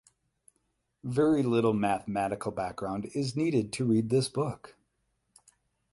Very little mathematical background is needed to read this book.